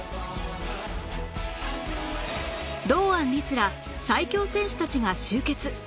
ら最強選手たちが集結